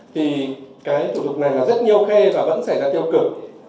thì cái thủ thuật này là rất nhiều khe và vẫn xảy ra tiêu cực